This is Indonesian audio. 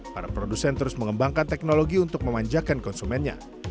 para produsen terus mengembangkan teknologi untuk memanjakan konsumennya